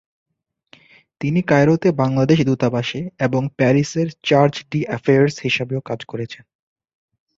তিনি কায়রোতে বাংলাদেশ দূতাবাসে এবং প্যারিসের চার্জ-ডি-অ্যাফেয়ার্স হিসাবেও কাজ করেছেন।